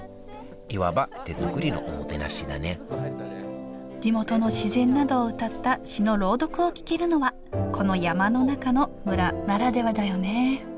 いわば手作りのおもてなしだね地元の自然などをうたった詩の朗読を聞けるのはこの山の中の村ならではだよね。